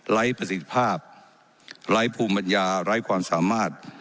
ประสิทธิภาพไร้ภูมิปัญญาไร้ความสามารถ